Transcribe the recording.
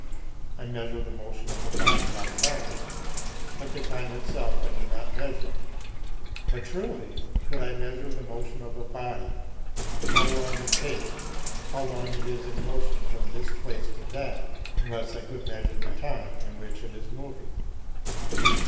I measure the motion of a body by time, but the time itself I do not measure. But, truly, could I measure the motion of a body how long it takes, how long it is in motion from this place to that unless I could measure the time in which it is moving?